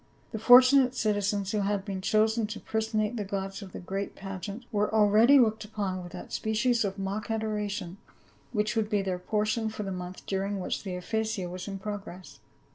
The fortunate citizens who had been chosen to personate the gods in the great pageant, were already looked upon with that species of mock adoration which would be their portion for the month during which the Ephesia was in progress.